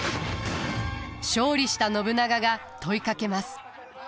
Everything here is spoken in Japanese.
勝利した信長が問いかけます。